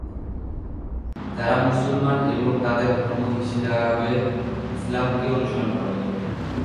তারা মুসলমান এবং তাদের ধর্ম হিসাবে ইসলামকে অনুসরণ করে।